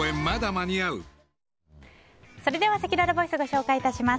それではせきららスタジオご紹介します。